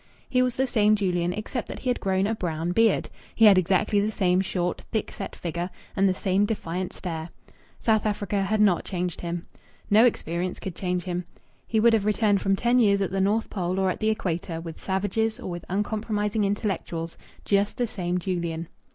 He was the same Julian except that he had grown a brown beard. He had exactly the same short, thick set figure, and the same defiant stare. South Africa had not changed him. No experience could change him. He would have returned from ten years at the North Pole or at the Equator, with savages or with uncompromising intellectuals, just the same Julian.